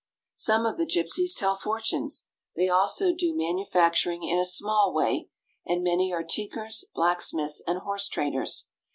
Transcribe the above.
Some of the gypsies tell fortunes. They also do manu facturing in a small way, and many are tinkers, blacksmiths, and horse traders.